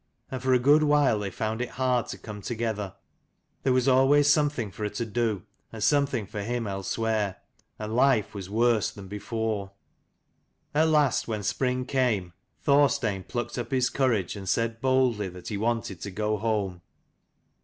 And for a good while they found it hard to come together : there was always something for her to do, and something for him elsewhere : and life was worse than before. At last when spring came, Thorstein plucked up his courage and said boldly that he wanted to go home.